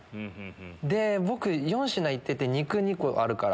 で僕４品行ってて肉２個あるから。